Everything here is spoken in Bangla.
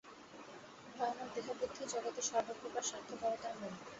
ভয়ানক দেহবুদ্ধিই জগতে সর্বপ্রকার স্বার্থপরতার মূল।